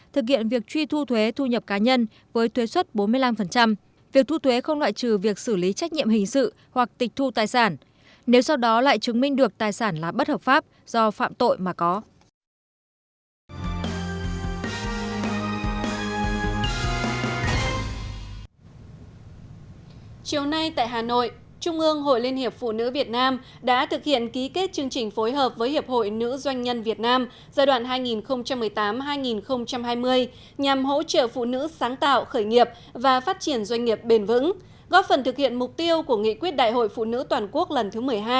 thực hiện việc truy thu thuế thu nhập cá nhân với thuế xuất bốn mươi năm